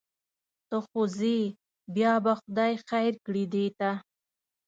ته خو ځې بیا به خدای خیر کړي دې ته.